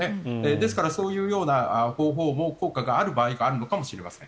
ですから、そういうような方法も効果がある場合があるのかもしれません。